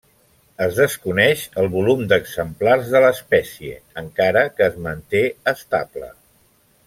Es desconeix el volum d'exemplars de l'espècie, encara que es manté estable.